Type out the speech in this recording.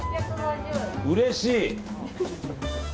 うれしい！